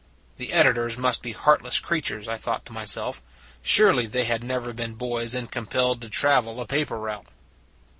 The editors must be heartless crea tures, I thought to myself; surely they had never been boys and compelled to travel a paper route.